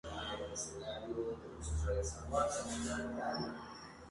Ella interpretó varias canciones de Bollywood dirigida a las películas de su región.